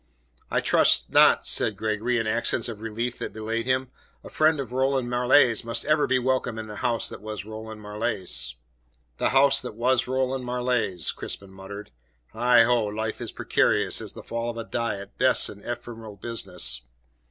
"I trust not," said Gregory, in accents of relief that belied him. "A friend of Roland Marleigh's must ever be welcome in the house that was Roland Marleigh's." "The house that was Roland Marleigh's," Crispin muttered. "Heigho! Life is precarious as the fall of a die at best an ephemeral business.